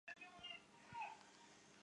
其故居为广东省省级文物保护单位。